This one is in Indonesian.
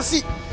itu kayak ibu